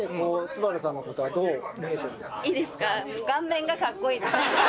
いいですか？